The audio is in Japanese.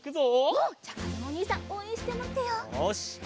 うん！じゃあかずむおにいさんおうえんしてまってよう。